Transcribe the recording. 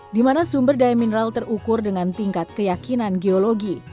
di mana sumber daya mineral terukur dengan tingkat keyakinan geologi